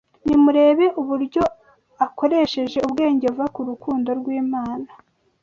Nimurebe uburyo akoresheje ubwenge buva ku rukundo rw’Imana